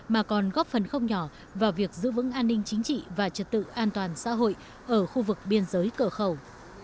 mà còn góp phần không nhỏ vào việc giữ vững an ninh chính trị và trật tự an toàn xã hội ở khu vực biên giới cửa khẩu